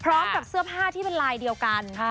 พร้อมกับเสื้อผ้าที่เป็นลายเดียวกัน